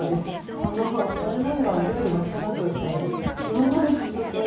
あのそれまではお料理はしてなくって今まではずっとね